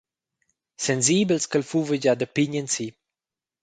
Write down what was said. Sensibels ch’el fuva gia da pign ensi.